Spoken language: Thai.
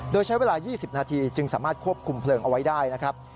โดยใช้เวลา๒๐นาทีจึงสามารถควบคุมเพลิงเอาไว้ได้นะครับ